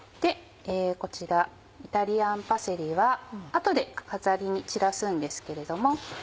こちらイタリアンパセリはあとで飾りに散らすんですけれども。